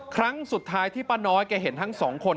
ครั้งสุดท้ายที่ป้าน้อยแกเห็นทั้งสองคน